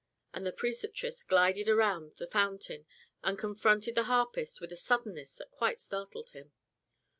And the Preceptress glided around the fountain and confronted the harpist with a suddenness that quite startled him.